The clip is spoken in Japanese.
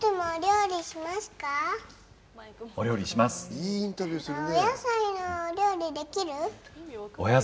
いいインタビューするね。